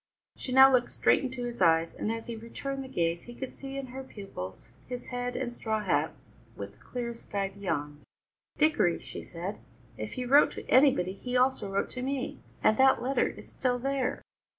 She now looked straight into his eyes, and as he returned the gaze he could see in her pupils his head and his straw hat, with the clear sky beyond. "Dickory," she said, "if he wrote to anybody he also wrote to me, and that letter is still there."